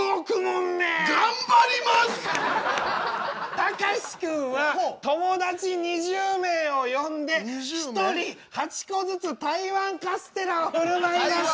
たかしくんは友達２０名を呼んで１人８個ずつ台湾カステラを振る舞いました。